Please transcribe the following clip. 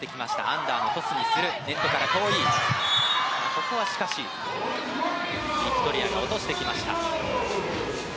ここはビクトリアが落としてきました。